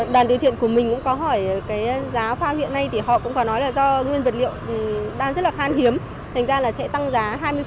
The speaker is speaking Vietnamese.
đàn điều thiện của mình cũng có hỏi cái giá fan hiện nay thì họ cũng có nói là do nguyên vật liệu đang rất là khan hiếm thành ra là sẽ tăng giá hai mươi